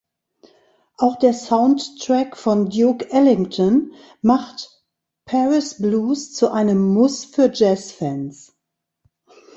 Auch der Soundtrack von Duke Ellington macht "Paris Blues" zu einem Muss für Jazzfans"“.